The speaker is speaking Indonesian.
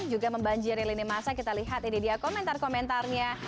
juga membanjiri lini masa kita lihat ini dia komentar komentarnya